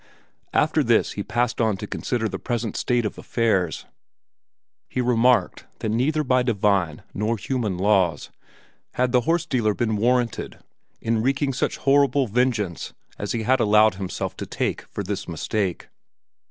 After this he passed on to consider the present state of affairs. He remarked that by neither divine nor human laws had the horse dealer been warranted in wreaking such horrible vengeance as he had allowed himself to take for this mistake.